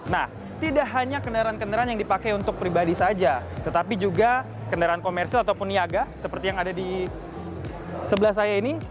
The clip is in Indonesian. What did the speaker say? nah tidak hanya kendaraan kendaraan yang dipakai untuk pribadi saja tetapi juga kendaraan komersil ataupun niaga seperti yang ada di sebelah saya ini